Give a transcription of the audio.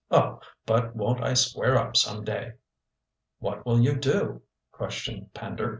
Oh, but won't I square up some day!" "What will you do?" questioned Pender.